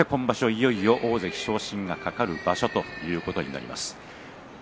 いよいよ大関昇進が懸かる場所ということになります。